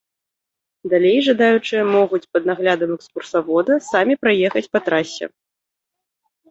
Далей жадаючыя могуць пад наглядам экскурсавода самі праехаць па трасе.